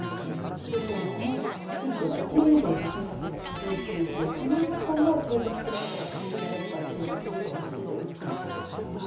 気象庁も、この地域では１年以上地震活動が続いていてこのあとも継続することが考えられるから注意してほしいという話でした。